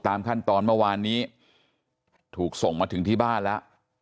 ขั้นตอนเมื่อวานนี้ถูกส่งมาถึงที่บ้านแล้ว